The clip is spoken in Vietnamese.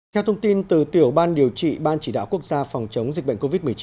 theo thông tin từ tiểu ban điều trị ban chỉ đạo quốc gia phòng chống dịch bệnh covid một mươi chín